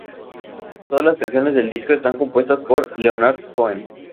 Todas las canciones del disco están compuestas por Leonard Cohen.